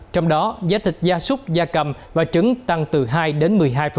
trong đó giá thịt gia súc gia cầm và trứng tăng từ hai đến một mươi hai